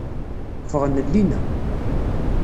Ffɣen llinna.